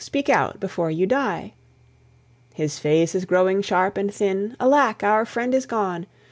Speak out before you die. His face is growing sharp and thin. Alack! our friend is gone.